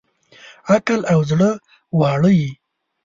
عقل او زړه واړه یې